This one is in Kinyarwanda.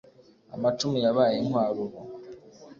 amacumu yabaye inkwaruro